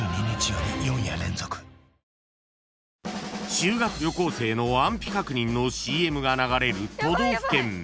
［修学旅行生の安否確認のＣＭが流れる都道府県］